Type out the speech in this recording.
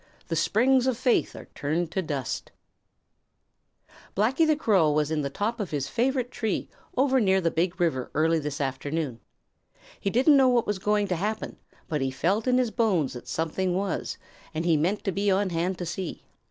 The springs of faith are turned to dust. Blacky the Crow. Blacky the Crow was in the top of his favorite tree over near the Big River early this afternoon. He didn't know what was going to happen, but he felt in his bones that something was, and he meant to be on hand to see.